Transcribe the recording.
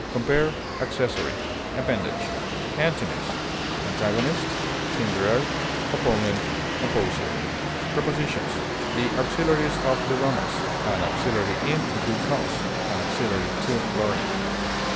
Compare ACCESSORY; APPENDAGE. Antonyms: antagonist, hinderer, opponent, opposer. Prepositions: The auxiliaries of the Romans; an auxiliary in a good cause; an auxiliary to learning.